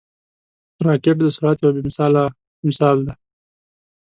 راکټ د سرعت یو بې مثاله مثال دی